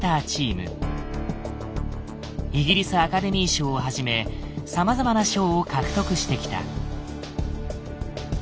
イギリスアカデミー賞をはじめさまざまな賞を獲得してきた。